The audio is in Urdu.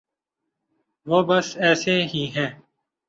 وہ بس ایسے ہی ہیں۔